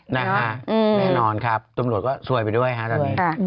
แน่นอนครับตำรวจก็ซวยไปด้วยฮะตอนนี้